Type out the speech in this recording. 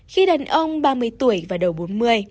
khi đàn ông ba mươi tuổi và đầu bốn mươi